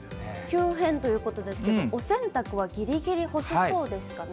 急変ということですけど、お洗濯はぎりぎり干せそうですかね。